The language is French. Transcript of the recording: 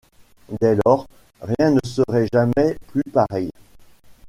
Dès lors, rien ne serait jamais plus pareil.